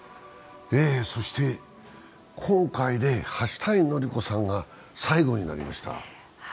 今回で橋谷能理子さんが最後になりました。